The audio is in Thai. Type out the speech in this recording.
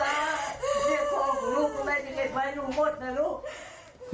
เลี้ยงพองของลูกลูกแม่จะเก็บไว้ลูกหมดล่ะลูก